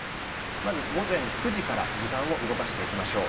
まず午前９時から時間を動かしていきましょう。